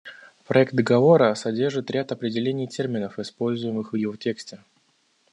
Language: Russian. Проект договора содержит ряд определений терминов, используемых в его тексте.